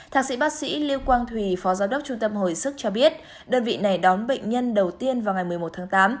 thạc sĩ bác sĩ lưu quang thùy phó giám đốc trung tâm hồi sức cho biết đơn vị này đón bệnh nhân đầu tiên vào ngày một mươi một tháng tám